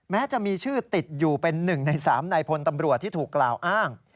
แม้จะมีชื่อติดอยู่เป็น๑ใน๓ในพลตำรวจที่ถูกกล่าวอ้าง